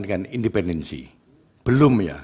dengan independensi belum ya